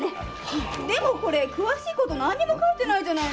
でも詳しいことが何も書いてないじゃない。